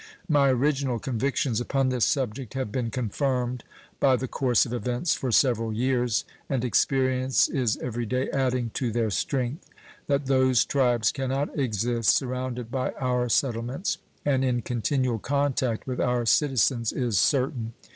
My original convictions upon this subject have been confirmed by the course of events for several years, and experience is every day adding to their strength. That those tribes can not exist surrounded by our settlements and in continual contact with our citizens is certain.